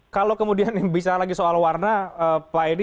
kalau kemudian bicara lagi soal warna pak edi